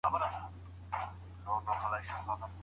سخت ټپیان کوم روغتون ته وړل کیږي؟